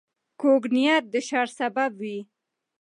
کوږ نیت د شر سبب وي